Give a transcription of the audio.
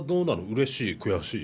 うれしい？悔しい？